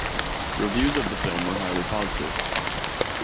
Reviews of the film were highly positive.